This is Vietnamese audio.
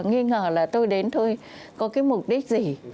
nghĩ ngờ là tôi đến thôi có cái mục đích gì